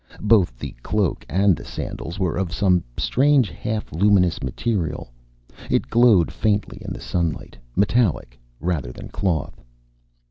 Both the cloak and the sandals were of some strange half luminous material. It glowed faintly in the sunlight. Metallic, rather than cloth.